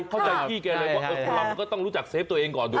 เข้าใจพี่แกเลยว่าคนเรามันก็ต้องรู้จักเซฟตัวเองก่อนถูก